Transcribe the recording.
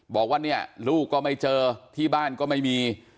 บอกว่าเนี่ยลูกก็ไม่เจอที่บ้านก็ไม่มี